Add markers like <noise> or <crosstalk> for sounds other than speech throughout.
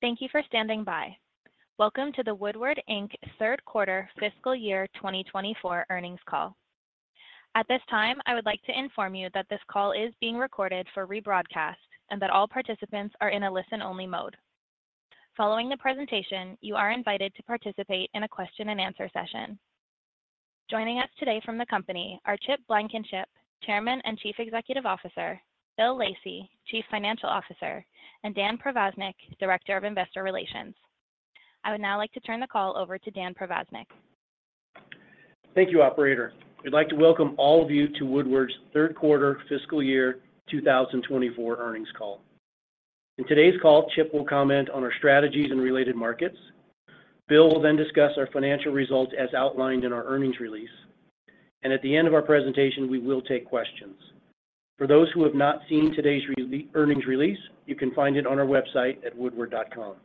Thank you for standing by. Welcome to the Woodward, Inc. Third Quarter Fiscal Year 2024 earnings call. At this time, I would like to inform you that this call is being recorded for rebroadcast and that all participants are in a listen-only mode. Following the presentation, you are invited to participate in a question-and-answer session. Joining us today from the company are Chip Blankenship, Chairman and Chief Executive Officer, Bill Lacey, Chief Financial Officer, and Dan Provaznik, Director of Investor Relations. I would now like to turn the call over to Dan Provaznik. Thank you, Operator. I'd like to welcome all of you to Woodward's Third Quarter Fiscal Year 2024 earnings call. In today's call, Chip will comment on our strategies in related markets. Bill will then discuss our financial results as outlined in our earnings release. At the end of our presentation, we will take questions. For those who have not seen today's earnings release, you can find it on our website at woodward.com.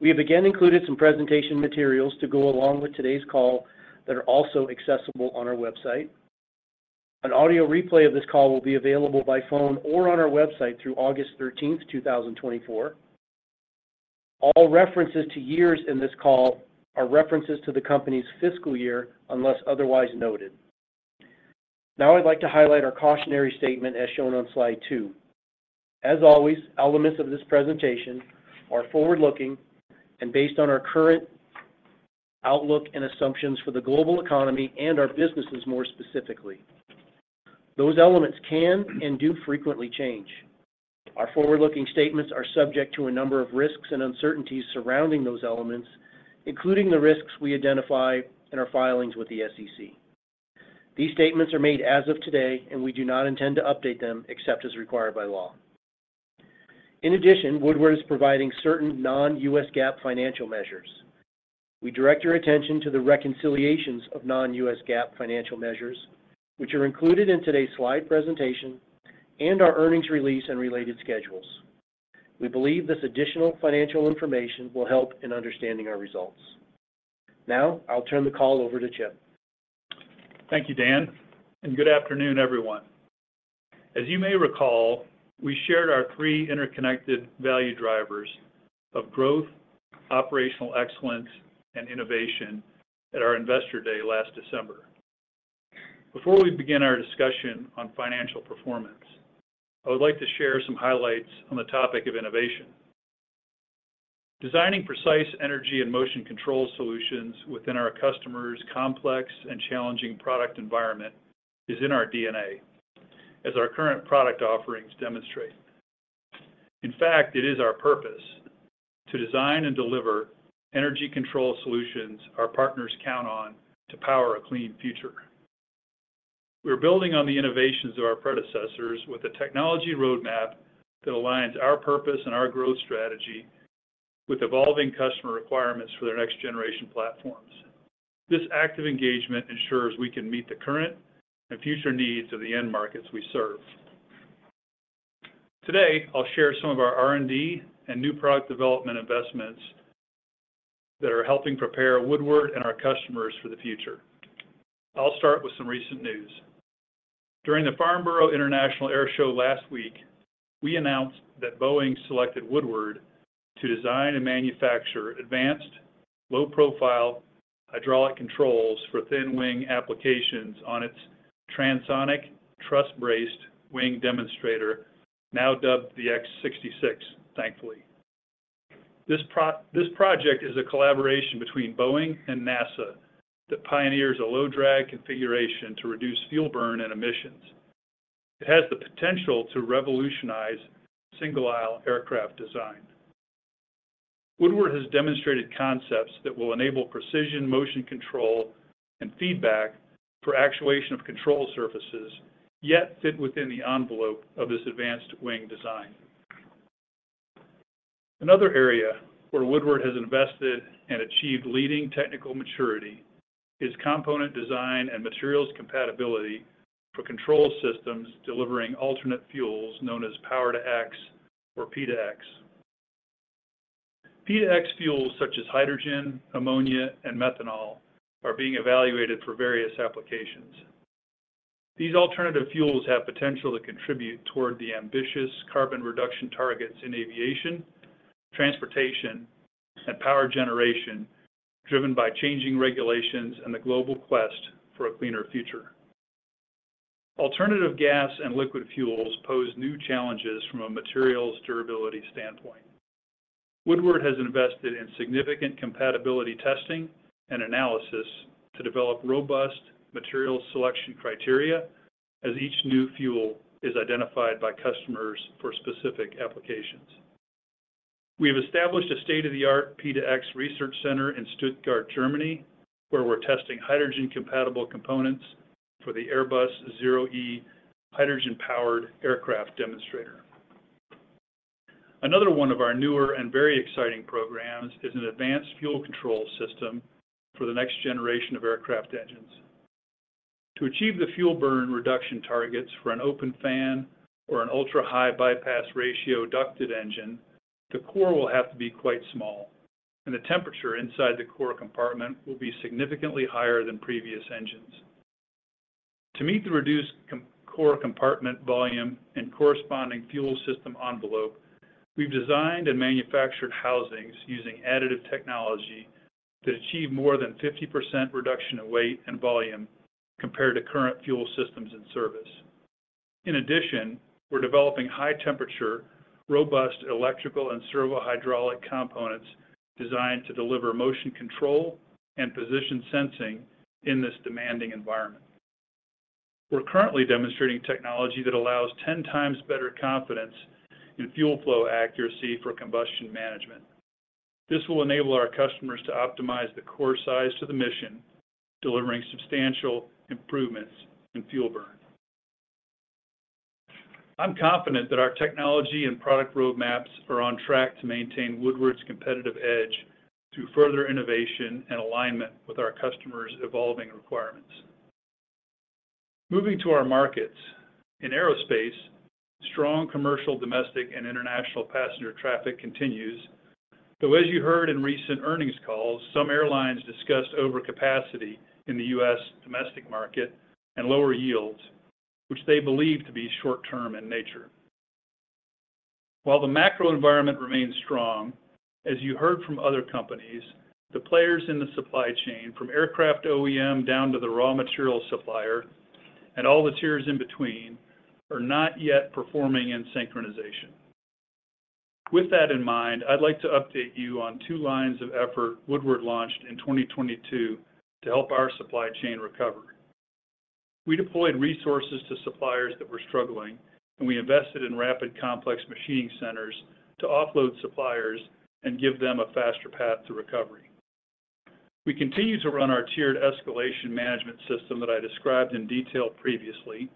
We have again included some presentation materials to go along with today's call that are also accessible on our website. An audio replay of this call will be available by phone or on our website through August 13, 2024. All references to years in this call are references to the company's fiscal year unless otherwise noted. Now, I'd like to highlight our cautionary statement as shown on slide two. As always, elements of this presentation are forward-looking and based on our current outlook and assumptions for the global economy and our businesses more specifically. Those elements can and do frequently change. Our forward-looking statements are subject to a number of risks and uncertainties surrounding those elements, including the risks we identify in our filings with the SEC. These statements are made as of today, and we do not intend to update them except as required by law. In addition, Woodward is providing certain non-U.S. GAAP financial measures. We direct your attention to the reconciliations of non-U.S. GAAP financial measures, which are included in today's slide presentation, and our earnings release and related schedules. We believe this additional financial information will help in understanding our results. Now, I'll turn the call over to Chip. Thank you, Dan, and good afternoon, everyone. As you may recall, we shared our three interconnected value drivers of growth, operational excellence, and innovation at our Investor Day last December. Before we begin our discussion on financial performance, I would like to share some highlights on the topic of innovation. Designing precise energy and motion control solutions within our customers' complex and challenging product environment is in our DNA, as our current product offerings demonstrate. In fact, it is our purpose to design and deliver energy control solutions our partners count on to power a clean future. We're building on the innovations of our predecessors with a technology roadmap that aligns our purpose and our growth strategy with evolving customer requirements for their next-generation platforms. This active engagement ensures we can meet the current and future needs of the end markets we serve. Today, I'll share some of our R&D and new product development investments that are helping prepare Woodward and our customers for the future. I'll start with some recent news. During the Farnborough International Airshow last week, we announced that Boeing selected Woodward to design and manufacture advanced, low-profile hydraulic controls for thin-wing applications on its Transonic Truss-Braced Wing Demonstrator, now dubbed the X-66, thankfully. This project is a collaboration between Boeing and NASA that pioneers a low-drag configuration to reduce fuel burn and emissions. It has the potential to revolutionize single-aisle aircraft design. Woodward has demonstrated concepts that will enable precision motion control and feedback for actuation of control surfaces, yet fit within the envelope of this advanced wing design. Another area where Woodward has invested and achieved leading technical maturity is component design and materials compatibility for control systems delivering alternate fuels known as Power-to-X or P2X. P2X fuels such as hydrogen, ammonia, and methanol are being evaluated for various applications. These alternative fuels have potential to contribute toward the ambitious carbon reduction targets in aviation, transportation, and power generation driven by changing regulations and the global quest for a cleaner future. Alternative gas and liquid fuels pose new challenges from a materials durability standpoint. Woodward has invested in significant compatibility testing and analysis to develop robust material selection criteria as each new fuel is identified by customers for specific applications. We have established a state-of-the-art P2X research center in Stuttgart, Germany, where we're testing hydrogen-compatible components for the Airbus ZEROe hydrogen-powered aircraft demonstrator. Another one of our newer and very exciting programs is an advanced fuel control system for the next generation of aircraft engines. To achieve the fuel burn reduction targets for an open fan or an ultra-high bypass ratio ducted engine, the core will have to be quite small, and the temperature inside the core compartment will be significantly higher than previous engines. To meet the reduced core compartment volume and corresponding fuel system envelope, we've designed and manufactured housings using additive technology that achieve more than 50% reduction in weight and volume compared to current fuel systems in service. In addition, we're developing high-temperature, robust electrical and servo-hydraulic components designed to deliver motion control and position sensing in this demanding environment. We're currently demonstrating technology that allows 10 times better confidence in fuel flow accuracy for combustion management. This will enable our customers to optimize the core size to the mission, delivering substantial improvements in fuel burn. I'm confident that our technology and product roadmaps are on track to maintain Woodward's competitive edge through further innovation and alignment with our customers' evolving requirements. Moving to our markets, in aerospace, strong commercial, domestic, and international passenger traffic continues. Though, as you heard in recent earnings calls, some airlines discussed overcapacity in the U.S. domestic market and lower yields, which they believe to be short-term in nature. While the macro environment remains strong, as you heard from other companies, the players in the supply chain, from aircraft OEM down to the raw material supplier and all the tiers in between, are not yet performing in synchronization. With that in mind, I'd like to update you on two lines of effort Woodward launched in 2022 to help our supply chain recover. We deployed resources to suppliers that were struggling, and we invested in rapid complex machining centers to offload suppliers and give them a faster path to recovery. We continue to run our tiered escalation management system that I described in detail previously,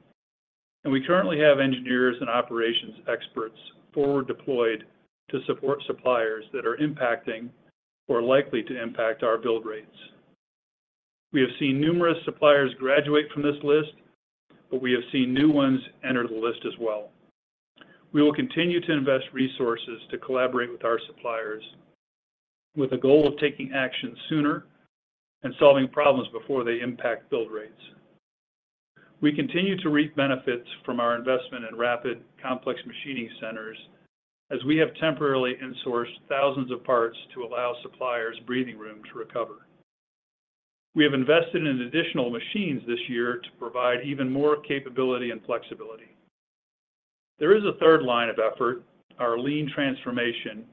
and we currently have engineers and operations experts forward deployed to support suppliers that are impacting or likely to impact our build rates. We have seen numerous suppliers graduate from this list, but we have seen new ones enter the list as well. We will continue to invest resources to collaborate with our suppliers with a goal of taking action sooner and solving problems before they impact build rates. We continue to reap benefits from our investment in rapid complex machining centers as we have temporarily insourced thousands of parts to allow suppliers breathing room to recover. We have invested in additional machines this year to provide even more capability and flexibility. There is a third line of effort, our lean transformation,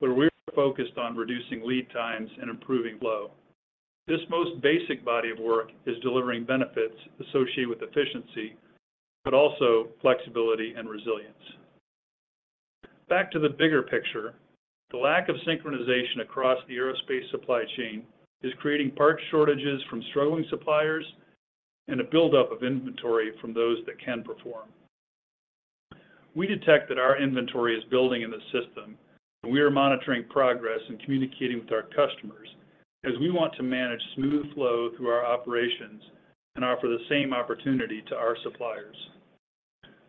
where we're focused on reducing lead times and improving flow. This most basic body of work is delivering benefits associated with efficiency, but also flexibility and resilience. Back to the bigger picture, the lack of synchronization across the aerospace supply chain is creating part shortages from struggling suppliers and a buildup of inventory from those that can perform. We detect that our inventory is building in the system, and we are monitoring progress and communicating with our customers as we want to manage smooth flow through our operations and offer the same opportunity to our suppliers.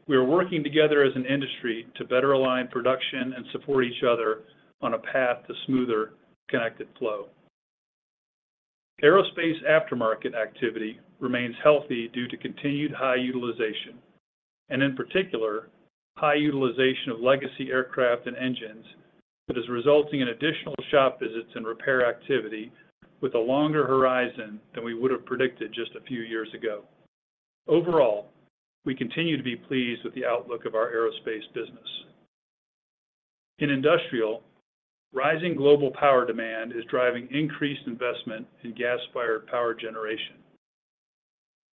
We are working together as an industry to better align production and support each other on a path to smoother connected flow. Aerospace aftermarket activity remains healthy due to continued high utilization, and in particular, high utilization of legacy aircraft and engines that is resulting in additional shop visits and repair activity with a longer horizon than we would have predicted just a few years ago. Overall, we continue to be pleased with the outlook of our aerospace business. In industrial, rising global power demand is driving increased investment in gas-fired power generation.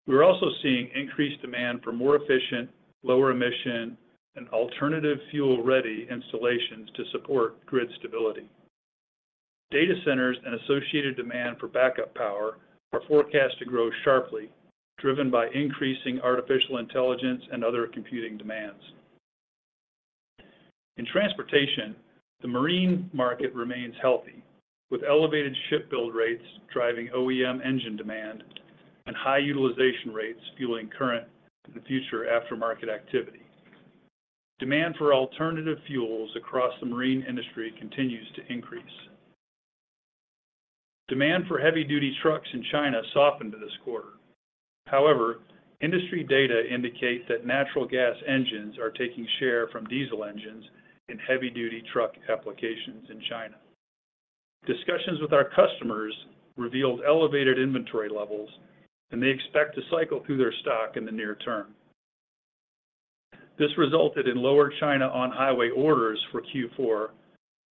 We're also seeing increased demand for more efficient, lower-emission, and alternative fuel-ready installations to support grid stability. Data centers and associated demand for backup power are forecast to grow sharply, driven by increasing artificial intelligence and other computing demands. In transportation, the marine market remains healthy, with elevated ship build rates driving OEM engine demand and high utilization rates fueling current and future aftermarket activity. Demand for alternative fuels across the marine industry continues to increase. Demand for heavy-duty trucks in China softened this quarter. However, industry data indicate that natural gas engines are taking share from diesel engines in heavy-duty truck applications in China. Discussions with our customers revealed elevated inventory levels, and they expect to cycle through their stock in the near term. This resulted in lower China On-Highway orders for Q4,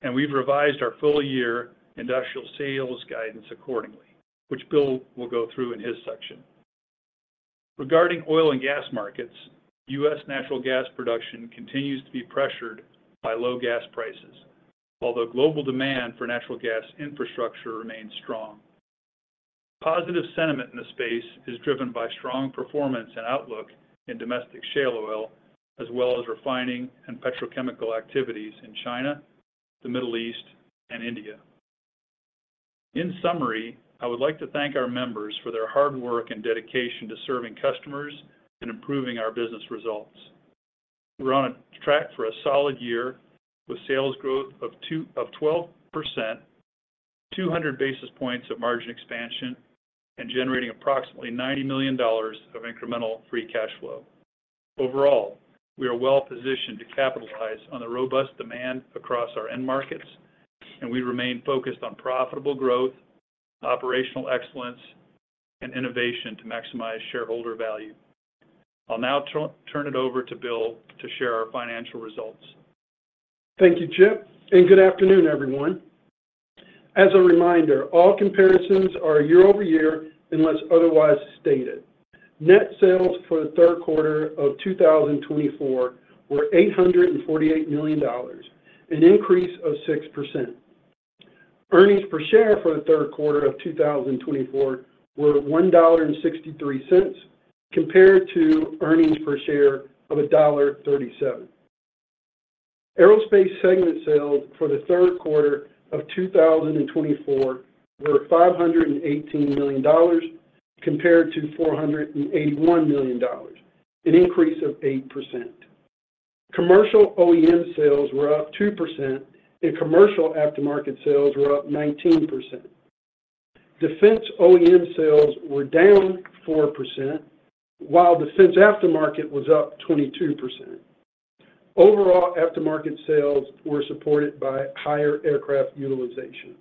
and we've revised our full-year industrial sales guidance accordingly, which Bill will go through in his section. Regarding oil and gas markets, U.S. natural gas production continues to be pressured by low gas prices, although global demand for natural gas infrastructure remains strong. Positive sentiment in the space is driven by strong performance and outlook in domestic shale oil, as well as refining and petrochemical activities in China, the Middle East, and India. In summary, I would like to thank our members for their hard work and dedication to serving customers and improving our business results. We're on a track for a solid year with sales growth of 12%, 200 basis points of margin expansion, and generating approximately $90 million of incremental free cash flow. Overall, we are well positioned to capitalize on the robust demand across our end markets, and we remain focused on profitable growth, operational excellence, and innovation to maximize shareholder value. I'll now turn it over to Bill to share our financial results. Thank you, Chip, and good afternoon, everyone. As a reminder, all comparisons are year-over-year unless otherwise stated. Net sales for the third quarter of 2024 were $848 million, an increase of 6%. Earnings per share for the third quarter of 2024 were $1.63 compared to earnings per share of $1.37. Aerospace segment sales for the third quarter of 2024 were $518 million compared to $481 million, an increase of 8%. Commercial OEM Sales were up 2%, and commercial aftermarket sales were up 19%. Defense OEM sales were down 4%, while defense aftermarket was up 22%. Overall, aftermarket sales were supported by higher aircraft utilization.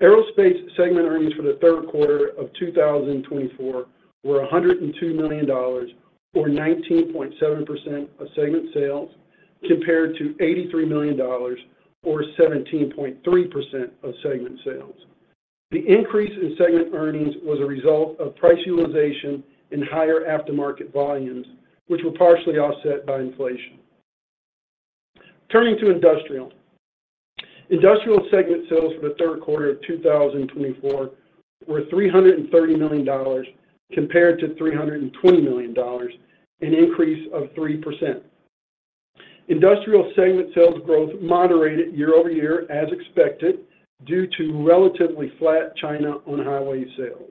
Aerospace segment earnings for the third quarter of 2024 were $102 million, or 19.7% of segment sales, compared to $83 million, or 17.3% of segment sales. The increase in segment earnings was a result of price utilization and higher aftermarket volumes, which were partially offset by inflation. Turning to industrial, Industrial Segment sales for the third quarter of 2024 were $330 million compared to $320 million, an increase of 3%. Industrial Segment sales growth moderated year-over-year as expected due to relatively flat China On-Highway sales.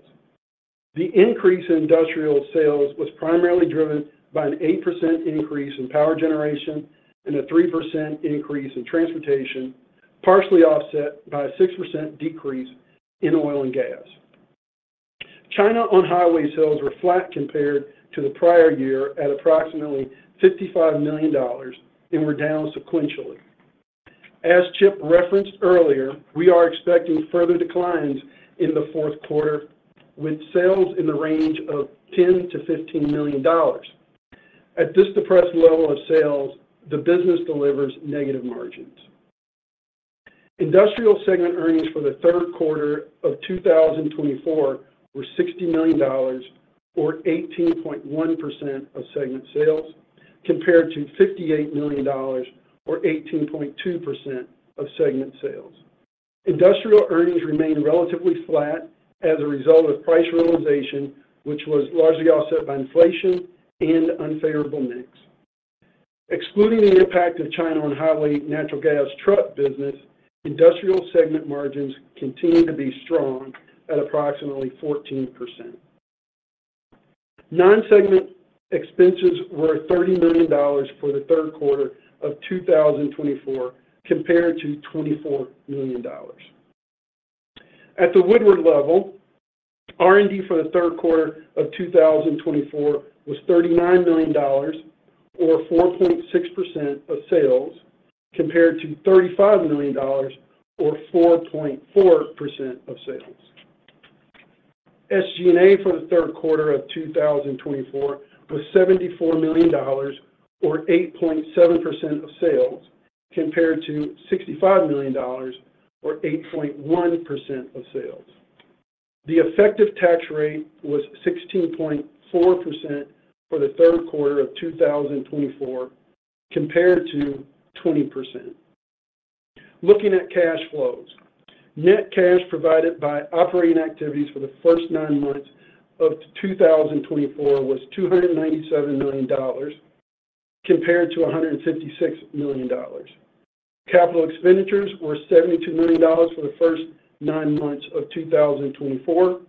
The increase in industrial sales was primarily driven by an 8% increase in power generation and a 3% increase in transportation, partially offset by a 6% decrease in oil and gas. China On-Highway sales were flat compared to the prior year at approximately $55 million and were down sequentially. As Chip referenced earlier, we are expecting further declines in the fourth quarter with sales in the range of $10 million-$15 million. At this depressed level of sales, the business delivers negative margins. Industrial Segment earnings for the third quarter of 2024 were $60 million, or 18.1% of segment sales, compared to $58 million, or 18.2% of segment sales. Industrial earnings remain relatively flat as a result of price realization, which was largely offset by inflation and unfavorable mix. Excluding the impact of China On-Highway natural gas truck business, Industrial Segment margins continue to be strong at approximately 14%. Non-segment expenses were $30 million for the third quarter of 2024 compared to $24 million. At the Woodward level, R&D for the third quarter of 2024 was $39 million, or 4.6% of sales, compared to $35 million, or 4.4% of sales. SG&A for the third quarter of 2024 was $74 million, or 8.7% of sales, compared to $65 million, or 8.1% of sales. The effective tax rate was 16.4% for the third quarter of 2024, compared to 20%. Looking at cash flows, net cash provided by operating activities for the first nine months of 2024 was $297 million, compared to $156 million. Capital expenditures were $72 million for the first nine months of 2024,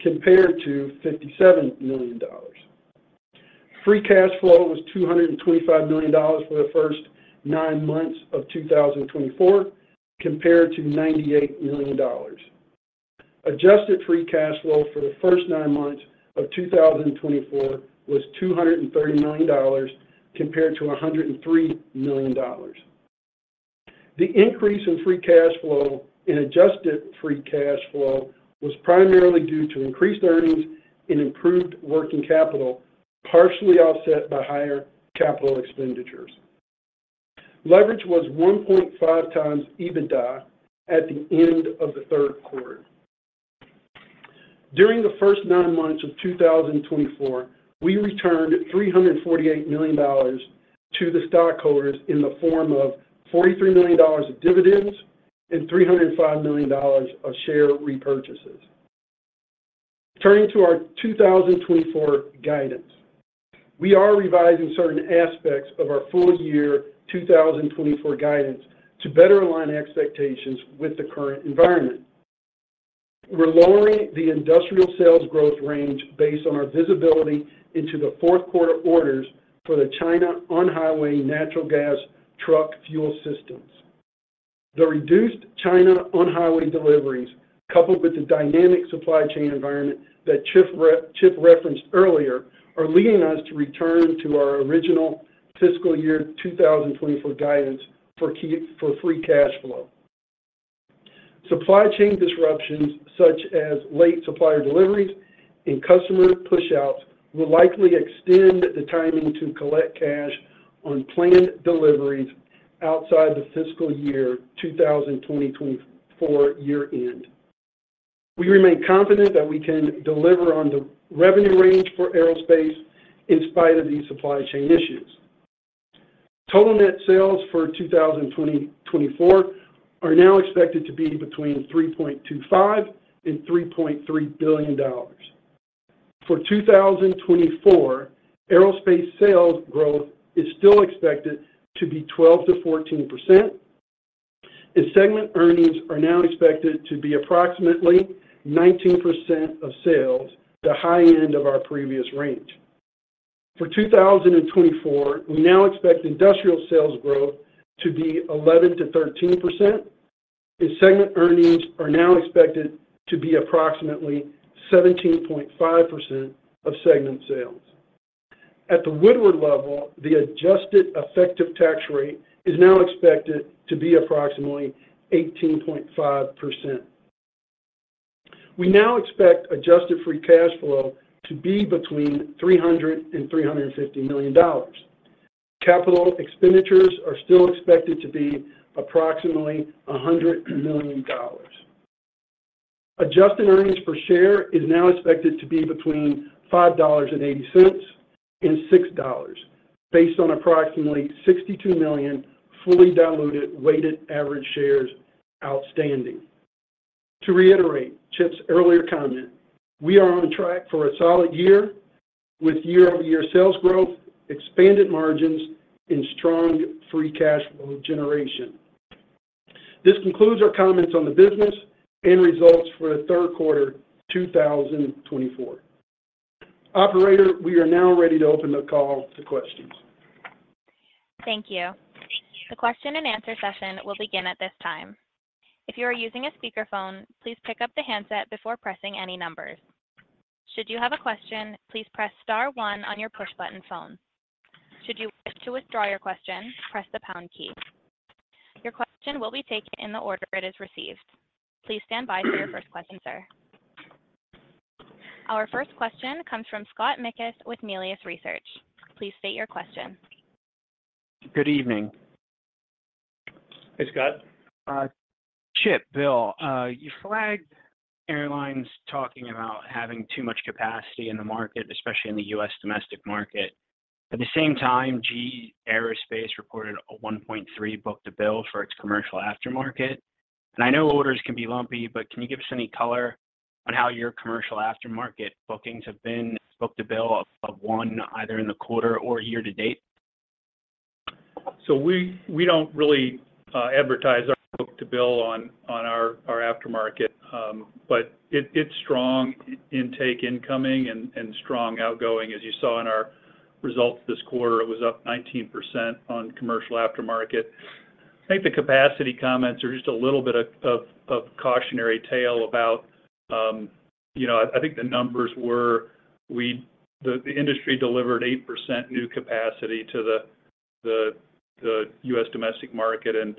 compared to $57 million. Free cash flow was $225 million for the first nine months of 2024, compared to $98 million. Adjusted free cash flow for the first nine months of 2024 was $230 million, compared to $103 million. The increase in free cash flow and adjusted free cash flow was primarily due to increased earnings and improved working capital, partially offset by higher capital expenditures. Leverage was 1.5x EBITDA at the end of the third quarter. During the first nine months of 2024, we returned $348 million to the stockholders in the form of $43 million of dividends and $305 million of share repurchases. Turning to our 2024 guidance, we are revising certain aspects of our full-year 2024 guidance to better align expectations with the current environment. We're lowering the industrial sales growth range based on our visibility into the fourth quarter orders for the China On-Highway natural gas truck fuel systems. The reduced China On-Highway deliveries, coupled with the dynamic supply chain environment that Chip referenced earlier, are leading us to return to our original fiscal year 2024 guidance for free cash flow. Supply chain disruptions, such as late supplier deliveries and customer push-outs, will likely extend the timing to collect cash on planned deliveries outside the fiscal year 2024 year-end. We remain confident that we can deliver on the revenue range for aerospace in spite of these supply chain issues. Total net sales for 2024 are now expected to be between $3.25 billion-$3.3 billion. For 2024, aerospace sales growth is still expected to be 12%-14%, and segment earnings are now expected to be approximately 19% of sales, the high end of our previous range. For 2024, we now expect industrial sales growth to be 11%-13%, and segment earnings are now expected to be approximately 17.5% of segment sales. At the Woodward level, the adjusted effective tax rate is now expected to be approximately 18.5%. We now expect adjusted free cash flow to be between $300 million and $350 million. Capital expenditures are still expected to be approximately $100 million. Adjusted earnings per share is now expected to be between $5.80 and $6, based on approximately 62 million fully diluted weighted average shares outstanding. To reiterate Chip's earlier comment, we are on track for a solid year with year-over-year sales growth, expanded margins, and strong free cash flow generation. This concludes our comments on the business and results for the third quarter 2024. Operator, we are now ready to open the call to questions. Thank you. The question and answer session will begin at this time. If you are using a speakerphone, please pick up the handset before pressing any numbers. Should you have a question, please press star one on your push-button phone. Should you wish to withdraw your question, press the pound key. Your question will be taken in the order it is received. Please stand by for your first question, sir. Our first question comes from Scott Mikus with Melius Research. Please state your question. Good evening. Hey, Scott. Chip, Bill, you flagged airlines talking about having too much capacity in the market, especially in the U.S. domestic market. At the same time, GE Aerospace reported a 1.3 book-to-bill for its commercial aftermarket. And I know orders can be lumpy, but can you give us any color on how your commercial aftermarket bookings have been book-to-bill of one, either in the quarter or year-to-date? So we don't really advertise our book-to-bill on our aftermarket, but it's strong intake incoming and strong outgoing. As you saw in our results this quarter, it was up 19% on commercial aftermarket. I think the capacity comments are just a little bit of cautionary tale about, you know, I think the numbers were the industry delivered 8% new capacity to the U.S. domestic market, and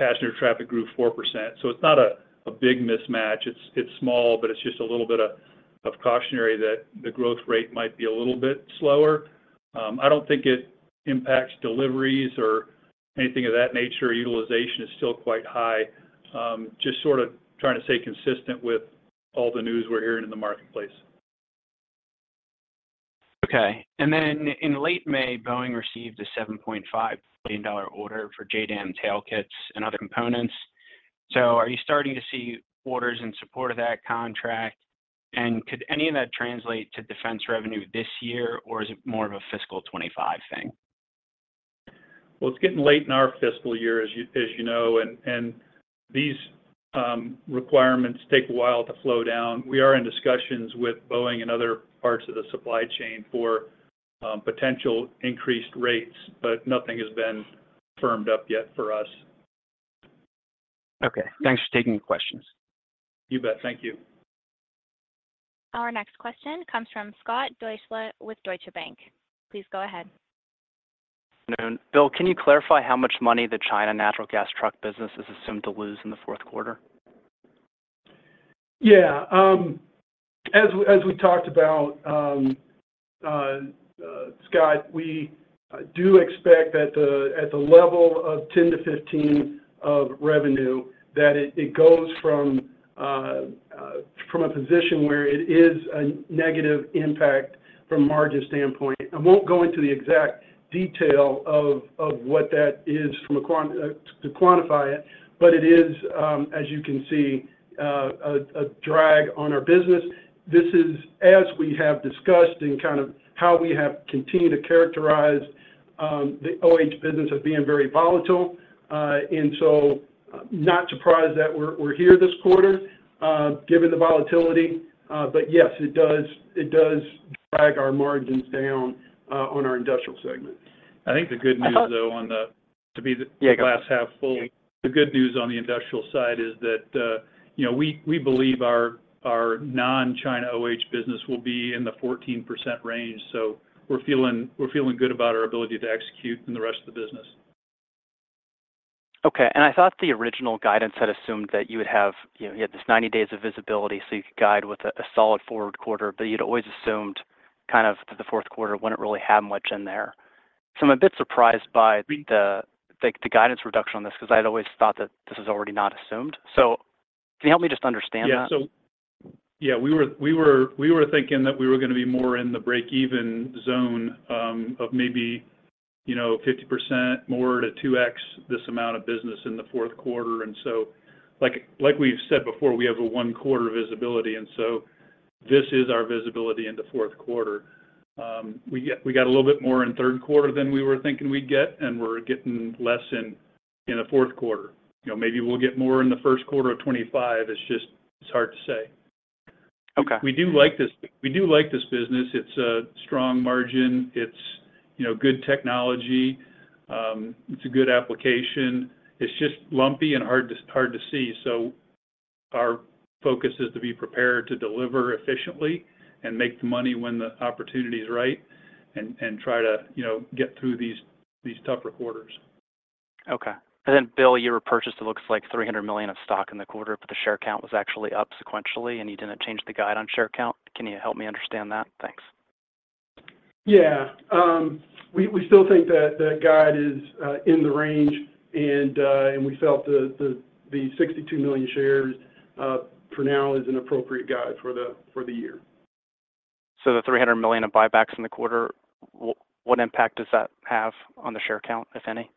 the passenger traffic grew 4%. So it's not a big mismatch. It's small, but it's just a little bit of cautionary that the growth rate might be a little bit slower. I don't think it impacts deliveries or anything of that nature. Utilization is still quite high, just sort of trying to stay consistent with all the news we're hearing in the marketplace. Okay. And then in late May, Boeing received a $7.5 billion order for JDAM tail kits and other components. So are you starting to see orders in support of that contract? And could any of that translate to defense revenue this year, or is it more of a fiscal 2025 thing? Well, it's getting late in our fiscal year, as you know, and these requirements take a while to flow down. We are in discussions with Boeing and other parts of the supply chain for potential increased rates, but nothing has been firmed up yet for us. Okay. Thanks for taking the questions. You bet. Thank you. Our next question comes from Scott Deuschle with Deutsche Bank. Please go ahead. Good afternoon. Bill, can you clarify how much money the China natural gas truck business is assumed to lose in the fourth quarter? Yeah. As we talked about, Scott, we do expect that at the level of 10 to 15 of revenue, that it goes from a position where it is a negative impact from a margin standpoint. I won't go into the exact detail of what that is to quantify it, but it is, as you can see, a drag on our business. This is, as we have discussed and kind of how we have continued to characterize the OEM business as being very volatile. And so not surprised that we're here this quarter given the volatility. But yes, it does drag our margins down on our Industrial Segment. I think the good news, though, is the glass half full. The good news on the industrial side is that we believe our non-China OH business will be in the 14% range. So we're feeling good about our ability to execute in the rest of the business. Okay. I thought the original guidance had assumed that you would have this 90 days of visibility so you could guide with a solid fourth quarter, but you'd always assumed kind of that the fourth quarter wouldn't really have much in there. I'm a bit surprised by the guidance reduction on this because I'd always thought that this was already not assumed. Can you help me just understand that? Yeah. So yeah, we were thinking that we were going to be more in the break-even zone of maybe 50% more to 2x this amount of business in the fourth quarter. So like we've said before, we have a one-quarter visibility. And so this is our visibility in the fourth quarter. We got a little bit more in third quarter than we were thinking we'd get, and we're getting less in the fourth quarter. Maybe we'll get more in the first quarter of 2025. It's just hard to say. We do like this business. It's a strong margin. It's good technology. It's a good application. It's just lumpy and hard to see. So our focus is to be prepared to deliver efficiently and make the money when the opportunity is right and try to get through these tougher quarters. Okay. Then, Bill, you purchased $300 million of stock in the quarter, but the share count was actually up sequentially, and you didn't change the guide on share count. Can you help me understand that? Thanks. Yeah. We still think that guide is in the range, and we felt the 62 million shares for now is an appropriate guide for the year. The $300 million of buybacks in the quarter, what impact does that have on the share count, if any?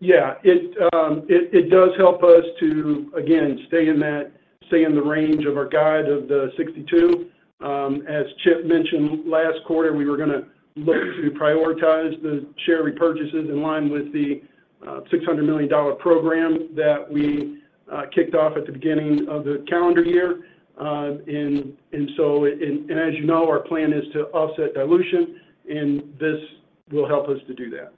Yeah. It does help us to, again, stay in the range of our guide of the 62. As Chip mentioned, last quarter, we were going to look to prioritize the share repurchases in line with the $600 million program that we kicked off at the beginning of the calendar year. And as you know, our plan is to offset dilution, and this will help us to do that.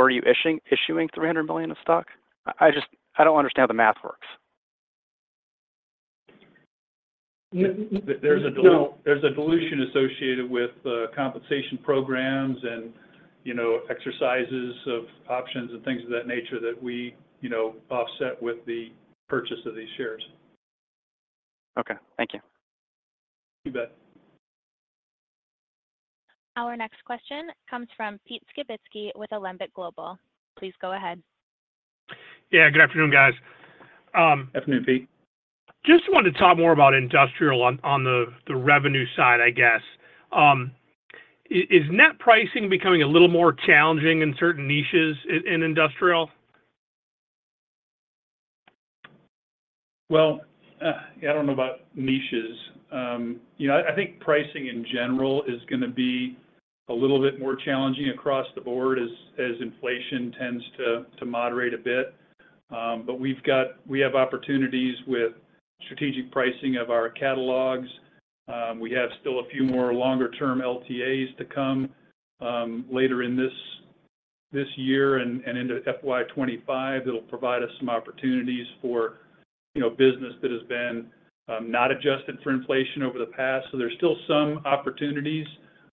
Are you issuing $300 million of stock? I don't understand how the math works. There's a dilution associated with compensation programs and exercises of options and things of that nature that we offset with the purchase of these shares. Okay. Thank you. You bet. Our next question comes from Pete Skibitsky with Alembic Global. Please go ahead. Yeah. Good afternoon, guys. Afternoon, Pete. Just wanted to talk more about industrial on the revenue side, I guess. Is net pricing becoming a little more challenging in certain niches in Industrial? Well, I don't know about niches. I think pricing in general is going to be a little bit more challenging across the board as inflation tends to moderate a bit. But we have opportunities with strategic pricing of our catalogs. We have still a few more longer-term LTAs to come later in this year and into FY25 that'll provide us some opportunities for business that has been not adjusted for inflation over the past. So there's still some opportunities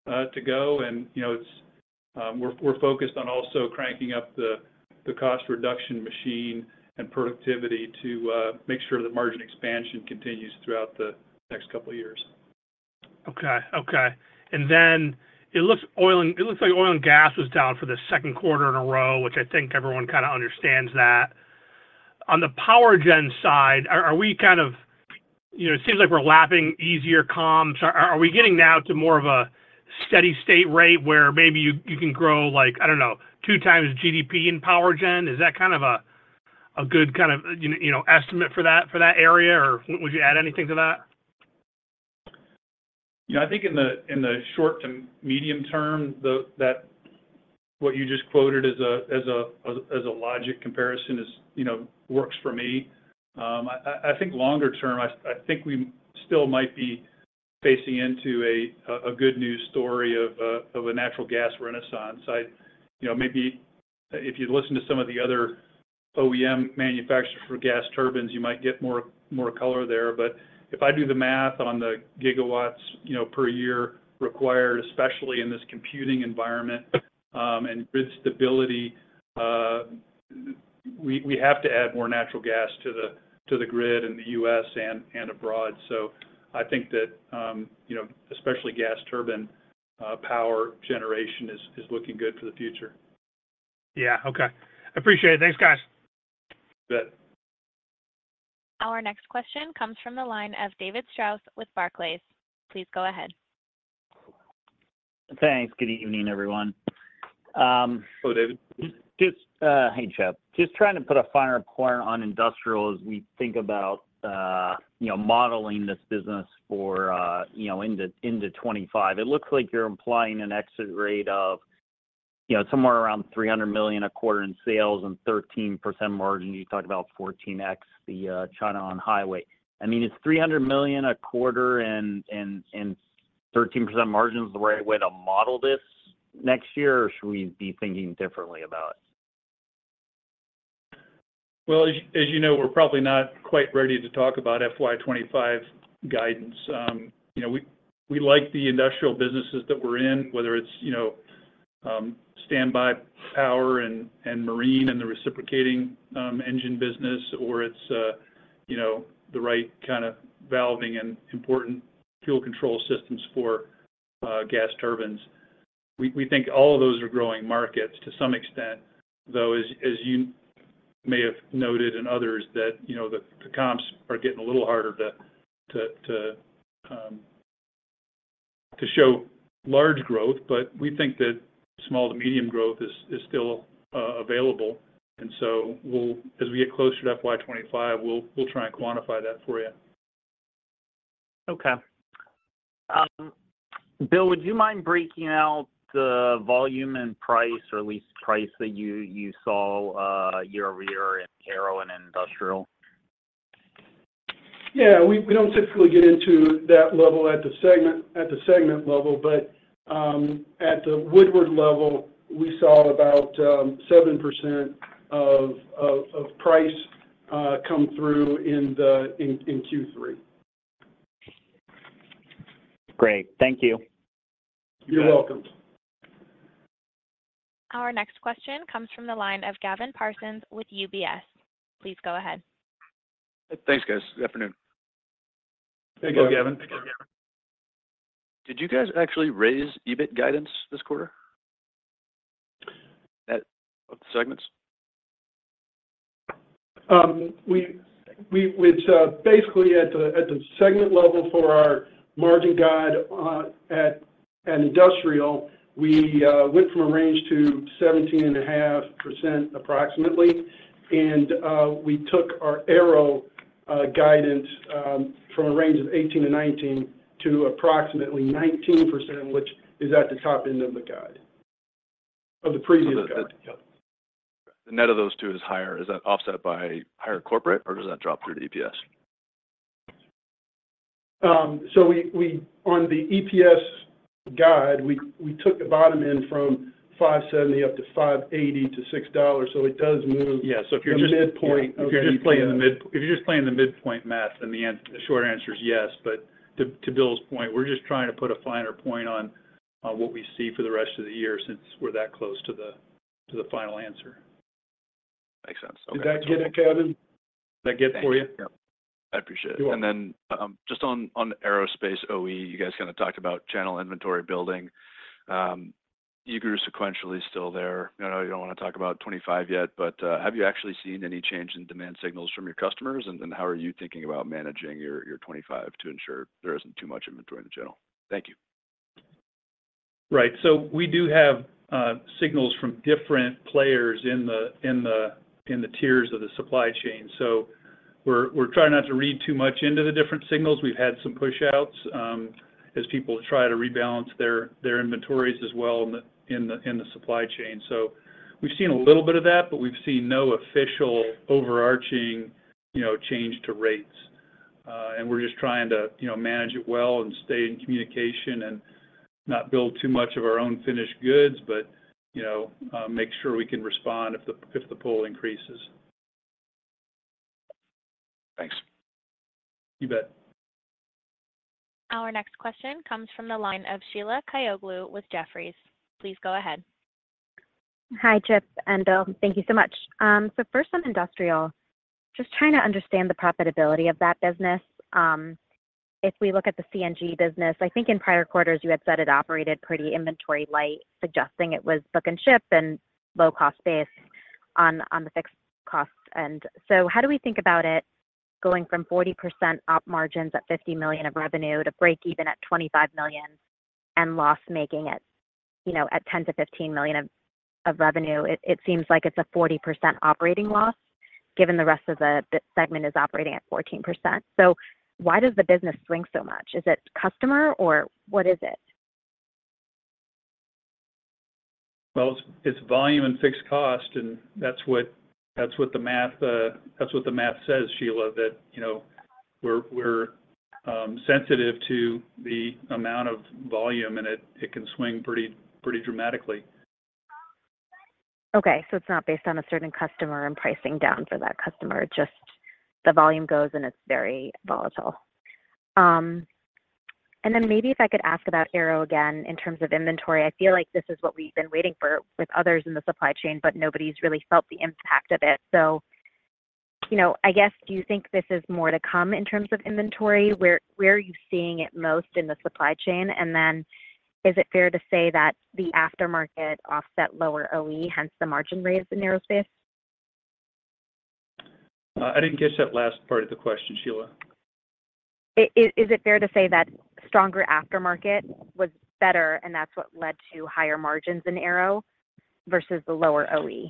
to go. And we're focused on also cranking up the cost reduction machine and productivity to make sure that margin expansion continues throughout the next couple of years. Okay. Okay. And then it looks like oil and gas was down for the second quarter in a row, which I think everyone kind of understands that. On the power gen side, are we kind of—it seems like we're lapping easier comps. Are we getting now to more of a steady-state rate where maybe you can grow, I don't know, two times GDP in Power Gen? Is that kind of a good kind of estimate for that area, or would you add anything to that? I think in the short to medium term, what you just quoted as a logic comparison works for me. I think longer term, I think we still might be facing into a good news story of a natural gas renaissance. Maybe if you listen to some of the other OEM manufacturers for gas turbines, you might get more color there. But if I do the math on the gigawatts per year required, especially in this computing environment and grid stability, we have to add more natural gas to the grid in the U.S. and abroad. So I think that especially gas turbine power generation is looking good for the future. Yeah. Okay. Appreciate it. Thanks, guys. You bet. Our next question comes from the line of David Strauss with Barclays. Please go ahead. Thanks. Good evening, everyone. Hello, David. Hey, Chip. Just trying to put a finer point on industrial as we think about modeling this business for into 2025. It looks like you're implying an exit rate of somewhere around $300 million a quarter in sales and 13% margin. You talked about 14x the China On-Highway. I mean, is $300 million a quarter and 13% margin the right way to model this next year, or should we be thinking differently about it? Well, as you know, we're probably not quite ready to talk about FY25 guidance. We like the industrial businesses that we're in, whether it's standby power and marine and the reciprocating engine business, or it's the right kind of valving and important fuel control systems for gas turbines. We think all of those are growing markets to some extent, though, as you may have noted and others, that the comps are getting a little harder to show large growth. But we think that small to medium growth is still available. And so as we get closer to FY25, we'll try and quantify that for you. Okay. Bill, would you mind breaking out the volume and price, or at least price that you saw year-over-year in Aero and Industrial? Yeah. We don't typically get into that level at the segment level. But at the Woodward level, we saw about 7% of price come through in Q3. Great. Thank you. You're welcome. Our next question comes from the line of Gavin Parsons with UBS. Please go ahead. Thanks, guys. Good afternoon. Hey, Gavin. Did you guys actually raise EBIT guidance this quarter of the segments? Basically, at the segment level for our margin guide at Industrial, we went from a range to 17.5% approximately. We took our Aero guidance from a range of 18%-19% to approximately 19%, which is at the top end of the guide of the previous guide. The net of those two is higher. Is that offset by higher corporate, or does that drop through the EPS? So on the EPS guide, we took the bottom end from $5.70 up to $5.80 to $6. So it does move in the midpoint. Yeah. So if you're just playing in the midpoint, if you're just playing in the midpoint math, then the short answer is yes. But to Bill's point, we're just trying to put a finer point on what we see for the rest of the year since we're that close to the final answer. Makes sense. Did that get it, Gavin? Did that get it for you? Yep. I appreciate it. And then just on aerospace OE, you guys kind of talked about channel inventory building. Orders sequentially still there. I know you don't want to talk about 2025 yet, but have you actually seen any change in demand signals from your customers? And then how are you thinking about managing your 2025 to ensure there isn't too much inventory in the channel? Thank you. Right. So we do have signals from different players in the tiers of the supply chain. So we're trying not to read too much into the different signals. We've had some push-outs as people try to rebalance their inventories as well in the supply chain. So we've seen a little bit of that, but we've seen no official overarching change to rates. And we're just trying to manage it well and stay in communication and not build too much of our own finished goods, but make sure we can respond if the pull increases. Thanks. You bet. Our next question comes from the line of Sheila Kahyaoglu with Jefferies. Please go ahead. Hi, Chip. And thank you so much. So first on industrial, just trying to understand the profitability of that business. If we look at the CNG business, I think in prior quarters you had said it operated pretty inventory light, suggesting it was book and ship and low-cost-based on the fixed costs. And so how do we think about it going from 40% up margins at $50 million of revenue to break even at $25 million and loss making it at $10 million-$15 million of revenue? It seems like it's a 40% operating loss given the rest of the segment is operating at 14%. So why does the business swing so much? Is it customer, or what is it? Well, it's volume and fixed cost, and that's what the math says, Sheila, that we're sensitive to the amount of volume, and it can swing pretty dramatically. Okay. So it's not based on a certain customer and pricing down for that customer. It's just the volume goes, and it's very volatile. And then maybe if I could ask about Aero again in terms of inventory. I feel like this is what we've been waiting for with others in the supply chain, but nobody's really felt the impact of it. So I guess, do you think this is more to come in terms of inventory? Where are you seeing it most in the supply chain? And then is it fair to say that the aftermarket offset lower OE, hence the margin raise in aerospace? I didn't catch that last part of the question, Sheila. Is it fair to say that stronger aftermarket was better, and that's what led to higher margins in Aero versus the lower OE?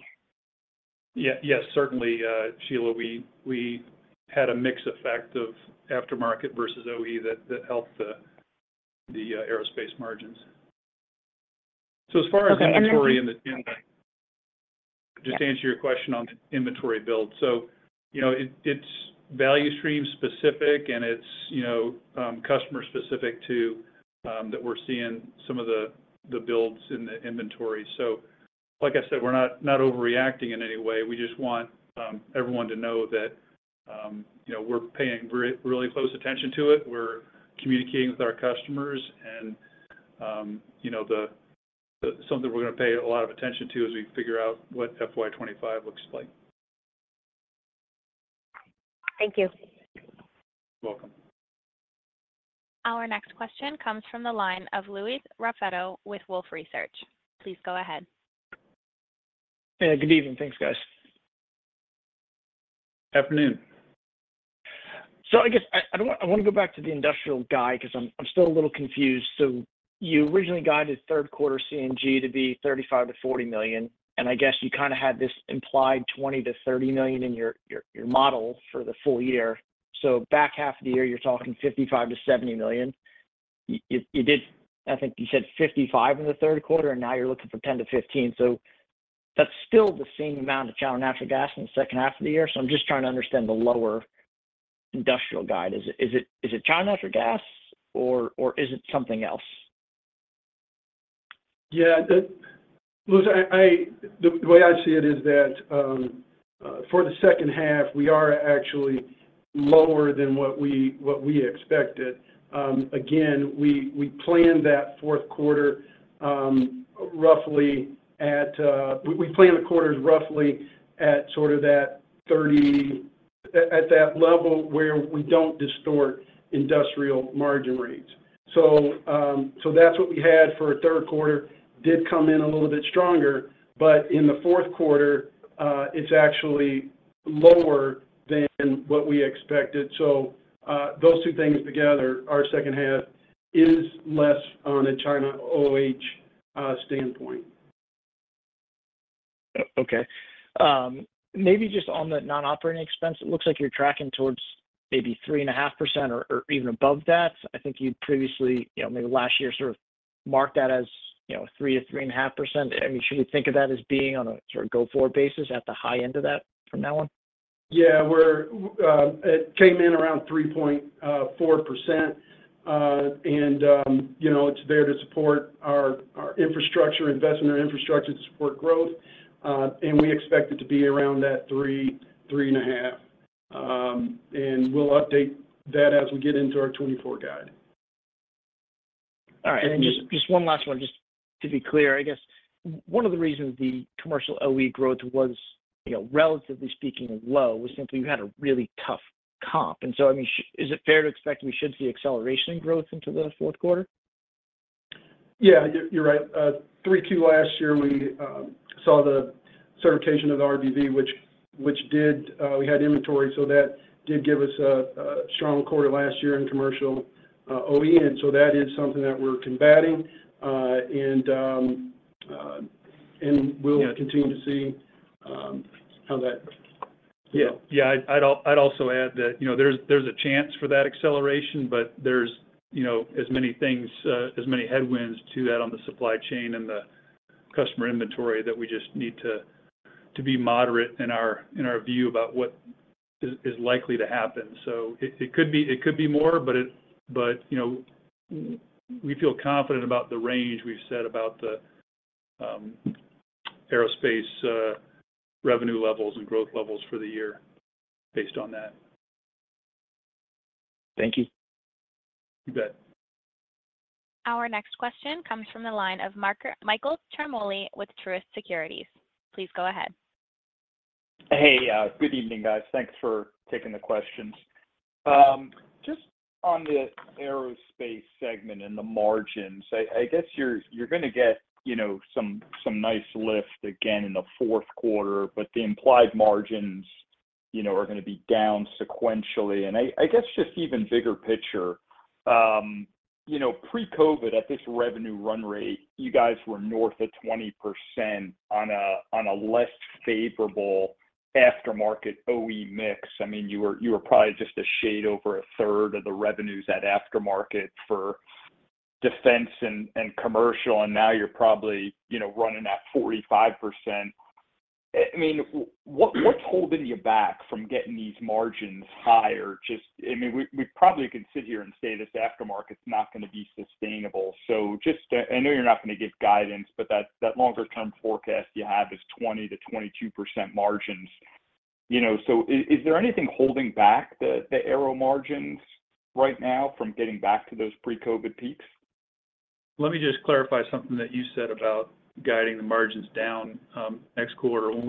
Yeah. Yes, certainly, Sheila. We had a mixed effect of aftermarket versus OE that helped the aerospace margins. So as far as <crosstalk> inventory and the. Just to answer your question on the inventory build. So it's value stream specific, and it's customer specific to that we're seeing some of the builds in the inventory. So like I said, we're not overreacting in any way. We just want everyone to know that we're paying really close attention to it. We're communicating with our customers. Something we're going to pay a lot of attention to as we figure out what FY25 looks like. Thank you. You're welcome. Our next question comes from the line of Louis Raffetto with Wolfe Research. Please go ahead. Hey, good evening. Thanks, guys. Afternoon. So I guess I want to go back to the industrial guy because I'm still a little confused. So you originally guided third quarter CNG to be $35 million-$40 million. And I guess you kind of had this implied $20 million-$30 million in your model for the full year. So back half of the year, you're talking $55 million-$70 million. You did, I think you said $55 million in the third quarter, and now you're looking for $10 million-$15 million. So that's still the same amount of China natural gas in the second half of the year. So I'm just trying to understand the lower industrial guide. Is it China natural gas, or is it something else? Yeah. The way I see it is that for the second half, we are actually lower than what we expected. Again, we planned that fourth quarter roughly at we planned the quarters roughly at sort of that level where we don't distort industrial margin rates. So that's what we had for a third quarter. Did come in a little bit stronger, but in the fourth quarter, it's actually lower than what we expected. So those two things together, our second half is less on a China OH standpoint. Okay. Maybe just on the non-operating expense, it looks like you're tracking towards maybe 3.5% or even above that. I think you'd previously, maybe last year, sort of marked that as 3%-3.5%. I mean, should we think of that as being on a sort of go-forward basis at the high end of that from now on? Yeah. It came in around 3.4%, and it's there to support our investment in infrastructure to support growth. We expect it to be around that 3.5%. We'll update that as we get into our 2024 guide. All right. And just one last one, just to be clear. I guess one of the reasons the commercial OE growth was, relatively speaking, low was simply we had a really tough comp. And so, I mean, is it fair to expect we should see acceleration in growth into the fourth quarter? Yeah. You're right. 3Q last year, we saw the certification of the RDV, which we had inventory. So that did give us a strong quarter last year in commercial OE. And so that is something that we're combating. And we'll continue to see how that. Yeah. I'd also add that there's a chance for that acceleration, but there's as many headwinds to that on the supply chain and the customer inventory that we just need to be moderate in our view about what is likely to happen. So it could be more, but we feel confident about the range we've set about the aerospace revenue levels and growth levels for the year based on that. Thank you. You bet. Our next question comes from the line of Michael Ciarmoli with Truist Securities. Please go ahead. Hey, good evening, guys. Thanks for taking the questions. Just on the aerospace segment and the margins, I guess you're going to get some nice lift again in the fourth quarter, but the implied margins are going to be down sequentially. I guess just even bigger picture, pre-COVID, at this revenue run rate, you guys were north of 20% on a less favorable aftermarket OE mix. I mean, you were probably just a shade over a third of the revenues at aftermarket for defense and commercial, and now you're probably running at 45%. I mean, what's holding you back from getting these margins higher? I mean, we probably could sit here and say this aftermarket's not going to be sustainable. I know you're not going to give guidance, but that longer-term forecast you have is 20%-22% margins. Is there anything holding back the Aero margins right now from getting back to those pre-COVID peaks? Let me just clarify something that you said about guiding the margins down next quarter. When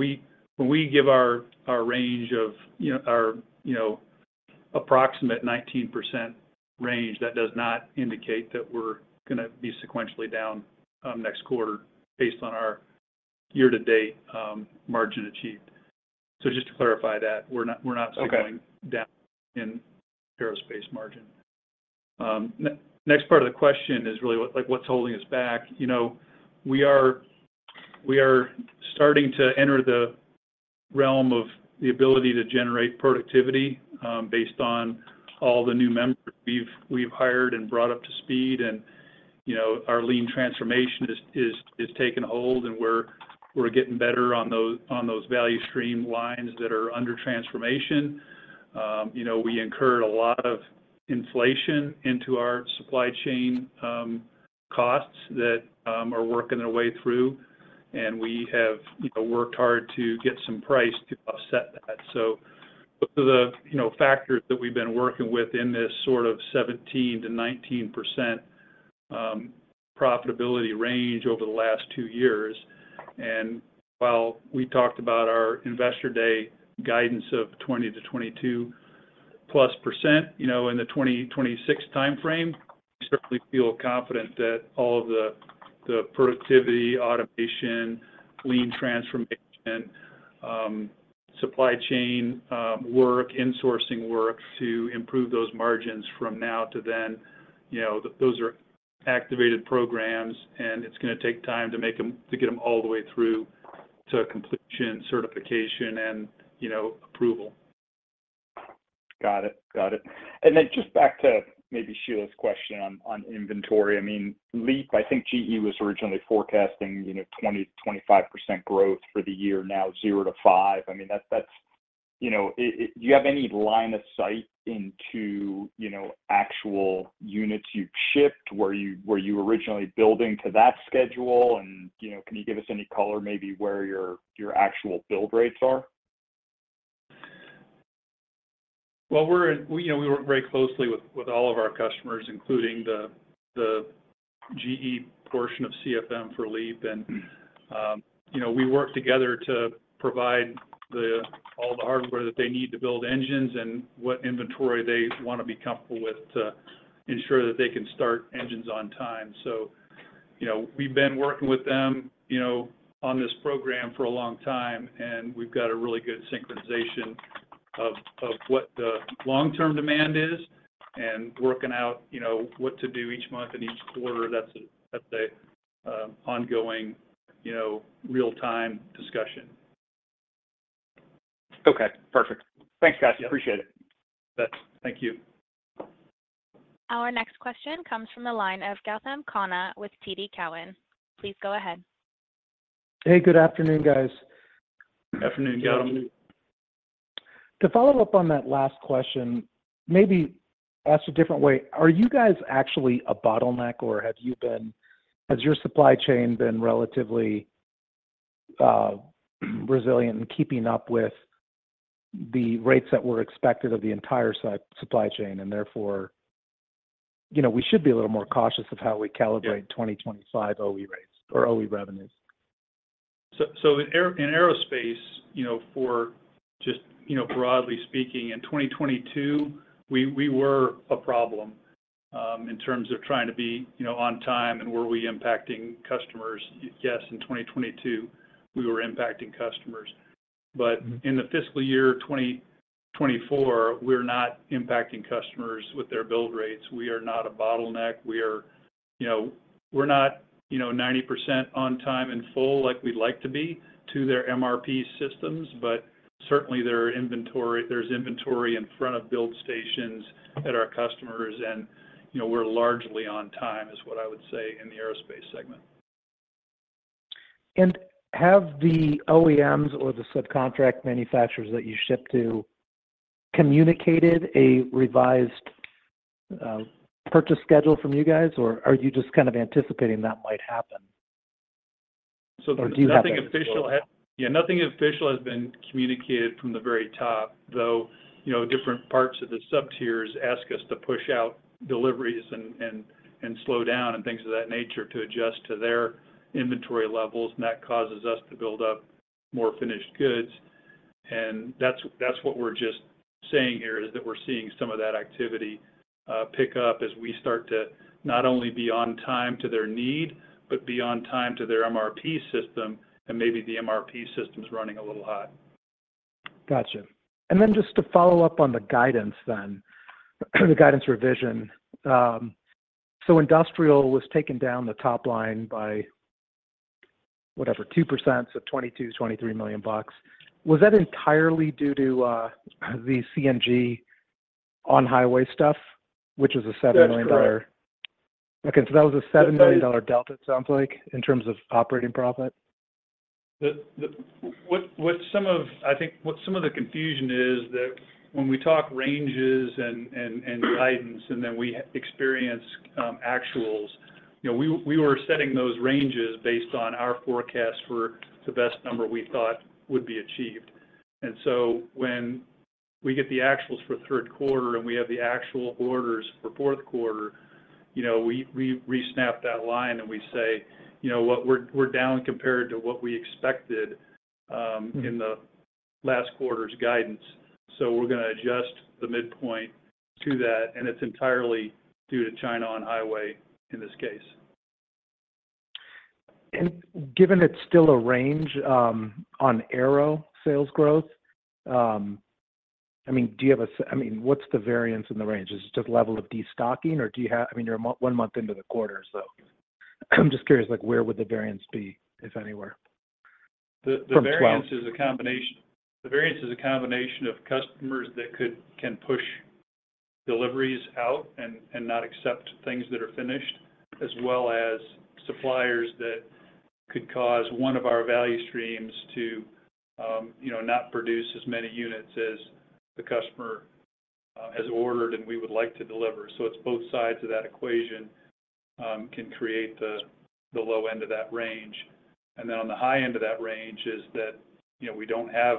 we give our range of our approximate 19% range, that does not indicate that we're going to be sequentially down next quarter based on our year-to-date margin achieved. So just to clarify that, we're not going down in aerospace margin. Next part of the question is really what's holding us back. We are starting to enter the realm of the ability to generate productivity based on all the new members we've hired and brought up to speed. And our lean transformation is taking hold, and we're getting better on those value stream lines that are under transformation. We incurred a lot of inflation into our supply chain costs that are working their way through, and we have worked hard to get some price to offset that. Those are the factors that we've been working with in this sort of 17%-19% profitability range over the last two years. While we talked about our investor day guidance of 20%-22%+ in the 2026 timeframe, we certainly feel confident that all of the productivity, automation, Lean transformation, supply chain work, insourcing work to improve those margins from now to then, those are activated programs, and it's going to take time to get them all the way through to completion, certification, and approval. Got it. Got it. And then just back to maybe Sheila's question on inventory. I mean, LEAP, I think GE was originally forecasting 20%-25% growth for the year, now 0%-5%. I mean, do you have any line of sight into actual units you've shipped? Were you originally building to that schedule? And can you give us any color maybe where your actual build rates are? Well, we work very closely with all of our customers, including the GE portion of CFM for LEAP. We work together to provide all the hardware that they need to build engines and what inventory they want to be comfortable with to ensure that they can start engines on time. We've been working with them on this program for a long time, and we've got a really good synchronization of what the long-term demand is and working out what to do each month and each quarter. That's an ongoing real-time discussion. Okay. Perfect. Thanks, guys. Appreciate it. Thank you. Our next question comes from the line of Gautam Khanna with TD Cowen. Please go ahead. Hey, good afternoon, guys. Good afternoon, Gautam. To follow up on that last question, maybe ask a different way. Are you guys actually a bottleneck, or have your supply chain been relatively resilient in keeping up with the rates that were expected of the entire supply chain? Therefore, we should be a little more cautious of how we calibrate 2025 OE rates or OE revenues. So in aerospace, for just broadly speaking, in 2022, we were a problem in terms of trying to be on time and were we impacting customers. Yes, in 2022, we were impacting customers. But in the fiscal year 2024, we're not impacting customers with their build rates. We are not a bottleneck. We're not 90% on time and full like we'd like to be to their MRP systems, but certainly, there's inventory in front of build stations at our customers, and we're largely on time is what I would say in the aerospace segment. Have the OEMs or the subcontract manufacturers that you ship to communicated a revised purchase schedule from you guys, or are you just kind of anticipating that might happen? So nothing official has been communicated from the very top, though different parts of the sub tiers ask us to push out deliveries and slow down and things of that nature to adjust to their inventory levels. And that causes us to build up more finished goods. And that's what we're just saying here is that we're seeing some of that activity pick up as we start to not only be on time to their need, but be on time to their MRP system, and maybe the MRP system's running a little hot. Gotcha. And then just to follow up on the guidance then, the guidance revision. So industrial was taken down the top line by, whatever, 2%, so $22 million-$23 million. Was that entirely due to the CNG On-Highway stuff, which was a $7 million? That's correct. Okay. So that was a $7 million delta, it sounds like, in terms of operating profit? I think what some of the confusion is that when we talk ranges and guidance, and then we experience actuals, we were setting those ranges based on our forecast for the best number we thought would be achieved. And so when we get the actuals for third quarter and we have the actual orders for fourth quarter, we re-snap that line and we say, "We're down compared to what we expected in the last quarter's guidance." So we're going to adjust the midpoint to that, and it's entirely due to China On-Highway in this case. Given it's still a range on Aero sales growth, I mean, what's the variance in the range? Is it just level of destocking, or—I mean, you're one month into the quarters, though. I'm just curious, where would the variance be, if anywhere? The variance is a combination. The variance is a combination of customers that can push deliveries out and not accept things that are finished, as well as suppliers that could cause one of our value streams to not produce as many units as the customer has ordered and we would like to deliver. So it's both sides of that equation can create the low end of that range. And then on the high end of that range is that we don't have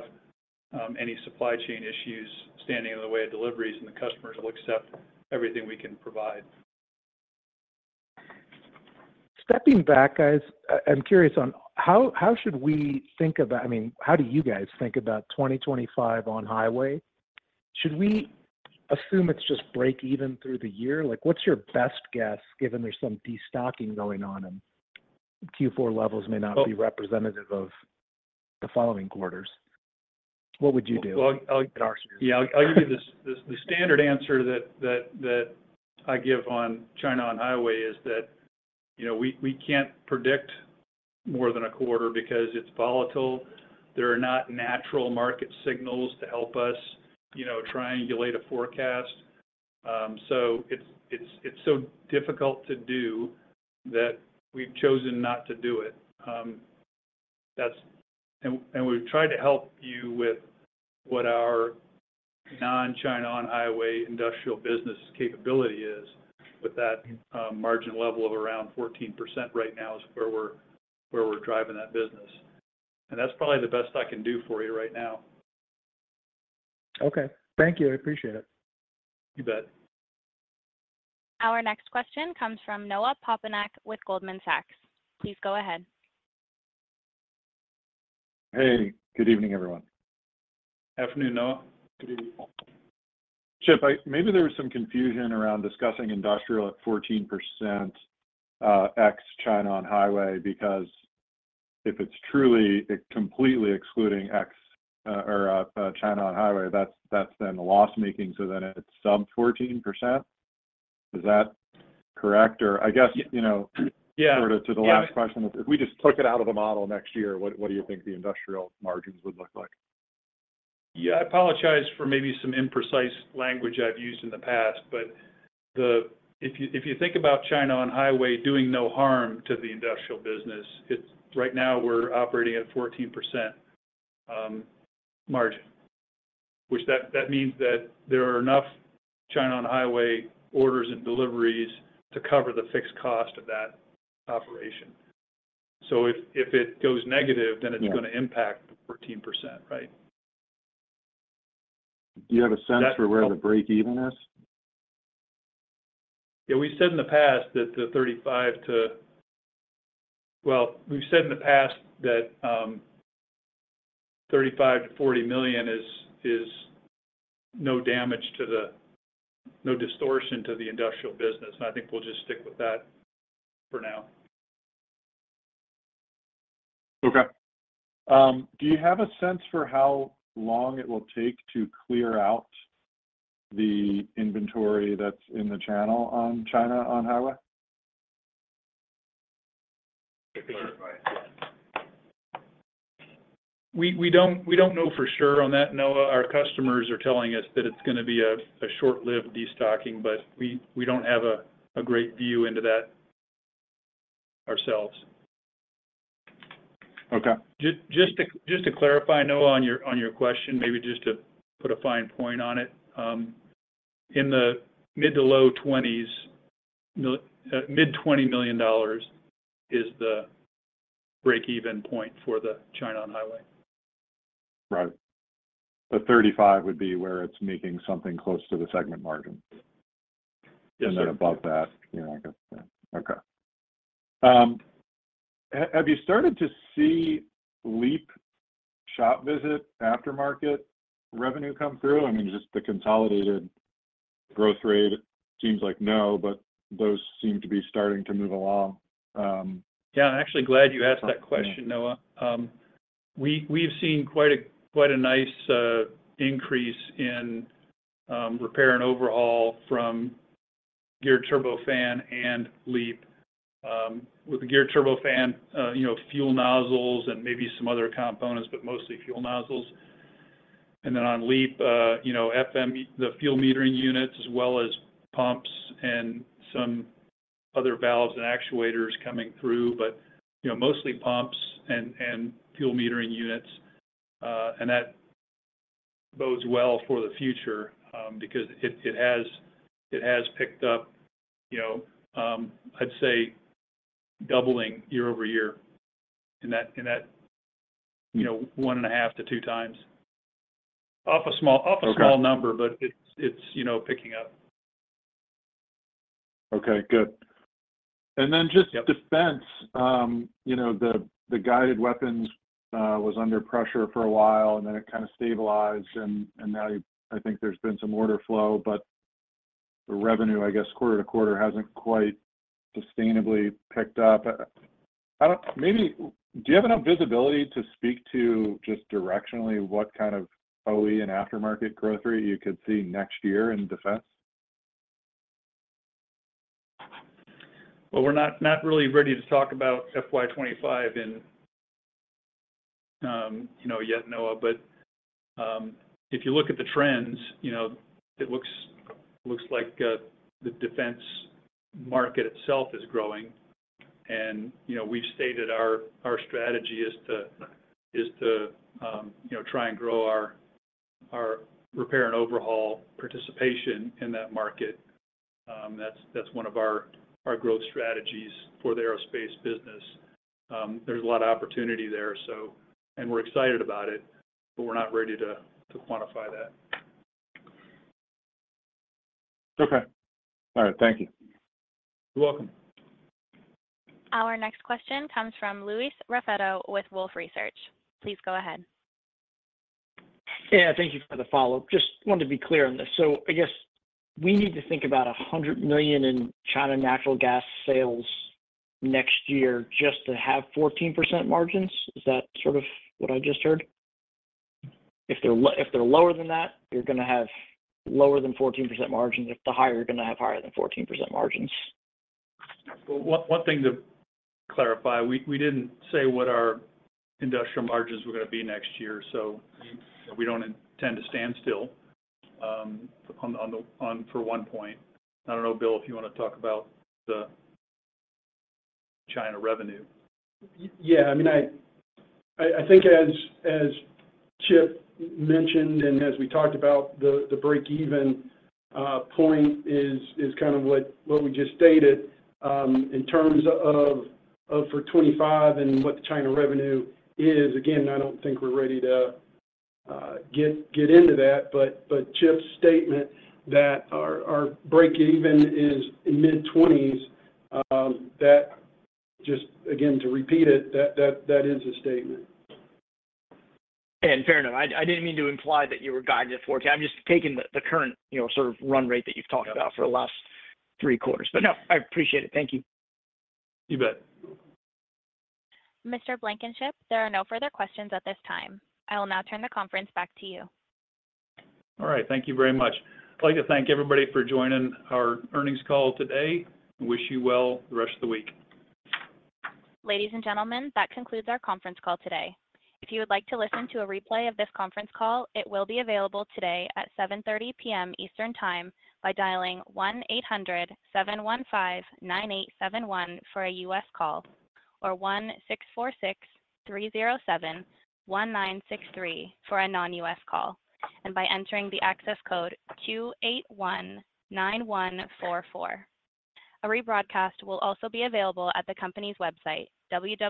any supply chain issues standing in the way of deliveries, and the customers will accept everything we can provide. Stepping back, guys, I'm curious on how should we think about, I mean, how do you guys think about 2025 On-Highway? Should we assume it's just break even through the year? What's your best guess, given there's some destocking going on, and Q4 levels may not be representative of the following quarters? What would you do? Well, I'll give you the standard answer that I give on China On-Highway is that we can't predict more than a quarter because it's volatile. There are not natural market signals to help us triangulate a forecast. So it's so difficult to do that we've chosen not to do it. We've tried to help you with what our non-China On-Highway industrial business capability is, but that margin level of around 14% right now is where we're driving that business. That's probably the best I can do for you right now. Okay. Thank you. I appreciate it. You bet. Our next question comes from Noah Poponak with Goldman Sachs. Please go ahead. Hey. Good evening, everyone. Afternoon, Noah. Good evening. Chip, maybe there was some confusion around discussing industrial at 14% ex-China On-Highway because if it's truly completely excluding ex-China On-Highway, that's then loss-making, so then it's sub 14%. Is that correct? Or I guess. Yeah. Yeah. Sort of to the last question, if we just took it out of the model next year, what do you think the industrial margins would look like? Yeah. I apologize for maybe some imprecise language I've used in the past, but if you think about China On-Highway doing no harm to the industrial business, right now we're operating at 14% margin, which that means that there are enough China On-Highway orders and deliveries to cover the fixed cost of that operation. So if it goes negative, then it's going to impact the 14%, right? Do you have a sense for where the break-even is? Yeah. We've said in the past that the 35 to, well, we've said in the past that $35 million-$40 million is no damage to the, no distortion to the industrial business. I think we'll just stick with that for now. Okay. Do you have a sense for how long it will take to clear out the inventory that's in the channel on China On-Highway? We don't know for sure on that, Noah. Our customers are telling us that it's going to be a short-lived destocking, but we don't have a great view into that ourselves. Okay. Just to clarify, Noah, on your question, maybe just to put a fine point on it, in the mid- to low-20s, mid $20 million is the break-even point for the China On-Highway. Right. But 35 would be where it's making something close to the segment margin. Yes, sir. Then above that, have you started to see LEAP shop visit aftermarket revenue come through? I mean, just the consolidated growth rate seems like no, but those seem to be starting to move along. Yeah. I'm actually glad you asked that question, Noah. We've seen quite a nice increase in repair and overhaul from Geared Turbofan and LEAP. With the Geared Turbofan, fuel nozzles and maybe some other components, but mostly fuel nozzles. And then on LEAP, the fuel metering units as well as pumps and some other valves and actuators coming through, but mostly pumps and fuel metering units. And that bodes well for the future because it has picked up, I'd say, doubling year-over-year in that 1.5-2 times. Off a small number, but it's picking up. Okay. Good. And then just defense, the guided weapons was under pressure for a while, and then it kind of stabilized, and now I think there's been some order flow, but the revenue, I guess, quarter to quarter hasn't quite sustainably picked up. Maybe do you have enough visibility to speak to just directionally what kind of OE and aftermarket growth rate you could see next year in defense? Well, we're not really ready to talk about FY25 yet, Noah, but if you look at the trends, it looks like the defense market itself is growing. We've stated our strategy is to try and grow our repair and overhaul participation in that market. That's one of our growth strategies for the aerospace business. There's a lot of opportunity there, and we're excited about it, but we're not ready to quantify that. Okay. All right. Thank you. You're welcome. Our next question comes from Louis Raffetto with Wolfe Research. Please go ahead. Yeah. Thank you for the follow-up. Just wanted to be clear on this. So I guess we need to think about $100 million in China natural gas sales next year just to have 14% margins. Is that sort of what I just heard? If they're lower than that, you're going to have lower than 14% margins. If they're higher, you're going to have higher than 14% margins. Well, one thing to clarify, we didn't say what our industrial margins were going to be next year, so we don't intend to stand still for one point. I don't know, Bill, if you want to talk about the China revenue. Yeah. I mean, I think as Chip mentioned and as we talked about, the break-even point is kind of what we just stated. In terms of for 2025 and what the China revenue is, again, I don't think we're ready to get into that. But Chip's statement that our break-even is mid-20s, that just, again, to repeat it, that is a statement. Fair enough. I didn't mean to imply that you were guided this quarter. I'm just taking the current sort of run rate that you've talked about for the last three quarters. No, I appreciate it. Thank you. You bet. Mr. Blankenship, there are no further questions at this time. I will now turn the conference back to you. All right. Thank you very much. I'd like to thank everybody for joining our earnings call today. Wish you well the rest of the week. Ladies and gentlemen, that concludes our conference call today. If you would like to listen to a replay of this conference call, it will be available today at 7:30 P.M. Eastern Time by dialing 1-800-715-9871 for a US call or 1-646-307-1963 for a non-US call, and by entering the access code Q819144. A rebroadcast will also be available at the company's website, www.